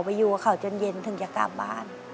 อยู่กับเขาจนเย็นถึงจะกลับบ้าน